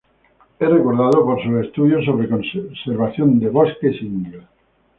Es recordado por sus estudios sobre conservación de bosques indios.